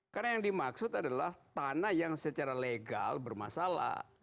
karena yang dimaksud adalah tanah yang secara legal bermasalah